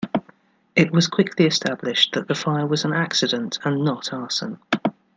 It was quickly established that the fire was an accident and not arson.